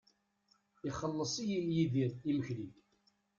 Ixelleṣ-iyi Yidir imekli.